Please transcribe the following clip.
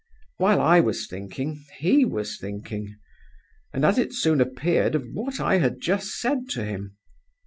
"While I was thinking, he was thinking; and, as it soon appeared, of what I had just said to him.